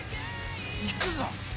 行くぞ。